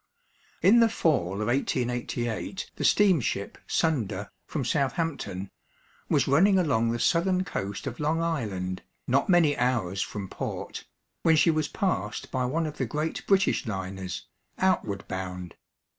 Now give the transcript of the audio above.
In the fall of 1888 the steamship Sunda, from Southampton, was running along the southern coast of Long Island, not many hours from port, when she was passed by one of the great British liners, outward bound.